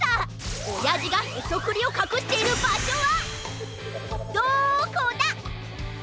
おやじがへそくりをかくしているばしょはどこだ？